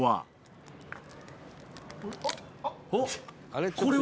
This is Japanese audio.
あれ？